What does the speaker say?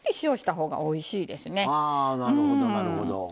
あなるほどなるほど。